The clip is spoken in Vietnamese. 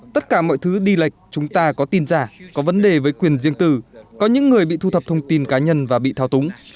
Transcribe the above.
tất cả mọi thứ đi lệch chúng ta có tin giả có vấn đề với quyền riêng tư có những người bị thu thập thông tin cá nhân và bị thao túng